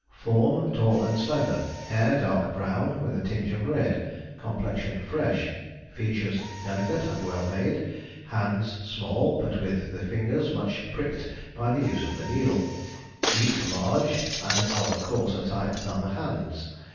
Form tall and slender; hair dark brown with a tinge of red; complexion fresh; features delicate and well made; hands small, but with the fingers much pricked by the use of the needle; feet large, and of a coarser type than the hands.